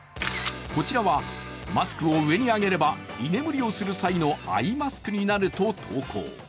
こちらはマスクを上に上げれば、居眠りをする際のアイマスクになると投稿。